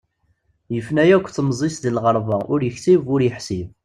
Yefna akk temẓi-s deg lɣerba ur yeksib ur yeḥsib.